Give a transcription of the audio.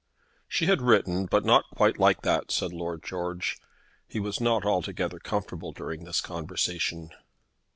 "She had written, but not quite like that," said Lord George. He was not altogether comfortable during this conversation.